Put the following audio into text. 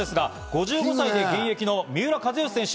５５歳で現役の三浦知良選手。